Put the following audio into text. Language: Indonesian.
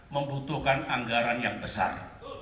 membutuhkan anggaran yang besar